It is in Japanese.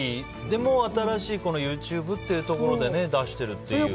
でも、新しいＹｏｕＴｕｂｅというところで出しているという。